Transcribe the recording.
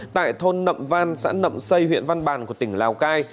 tại thôn nậm van xã nậm xây huyện văn bàn của tỉnh lào cai